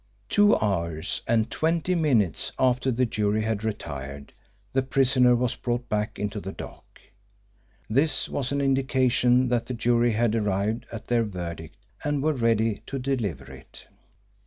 Two hours and twenty minutes after the jury had retired, the prisoner was brought back into the dock. This was an indication that the jury had arrived at their verdict and were ready to deliver it.